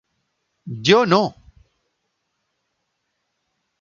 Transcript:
Yo no"".